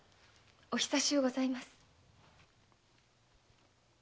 お久しゅうございます。